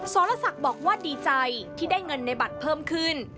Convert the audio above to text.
สรศักดิ์บอกว่าดีใจที่ได้เงินในบัตรเพิ่มขึ้น